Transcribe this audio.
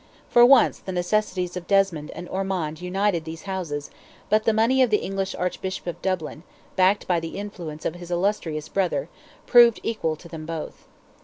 For once the necessities of Desmond and Ormond united these houses, but the money of the English Archbishop of Dublin, backed by the influence of his illustrious brother, proved equal to them both.